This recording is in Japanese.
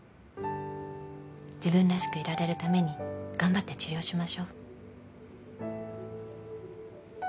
自分らしくいられるために頑張って治療しましょう。